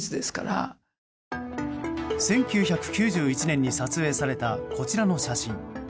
１９９１年に撮影されたこちらの写真。